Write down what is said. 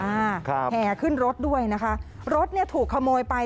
อ่าครับแห่ขึ้นรถด้วยนะคะรถถูกขโมยไป